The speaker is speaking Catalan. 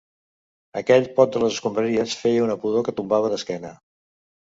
Aquell pot de les escombraries feia una pudor que tombava d'esquena.